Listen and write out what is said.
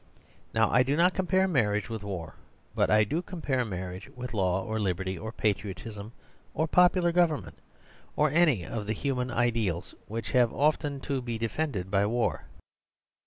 Now I do not compare mar riage with war, but I do compare marriage with law or liberty or patriotism or popular government, or any of the human ideals which have often to be defended by war.